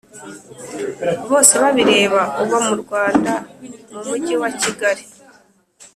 bosebabireba uba mu rwanda mu mujyi wa kigali